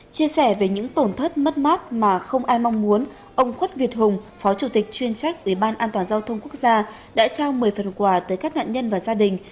chia sẻ về những tổn thất mất mát mà không ai mong muốn ông khuất việt hùng phó chủ tịch chuyên trách ủy ban an toàn giao thông quốc gia đã trao một mươi phần quà tới các nạn nhân và gia đình